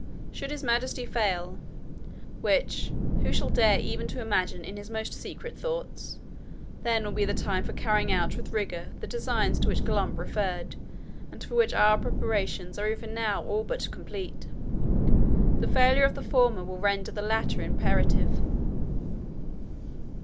Should His Majesty fail which who shall dare even to imagine in his most secret thoughts? then will be the time for carrying out with rigour the design to which Glump referred, and for which our preparations are even now all but completed. The failure of the former will render the latter imperative.'